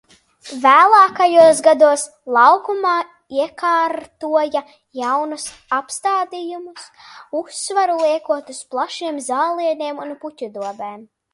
Vēlākajos gados laukumā iekārtoja jaunus apstādījumus, uzsvaru liekot uz plašiem zālieniem un puķu dobēm.